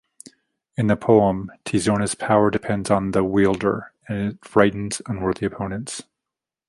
In the poem, Tizona's power depends on the wielder, and it frightens unworthy opponents.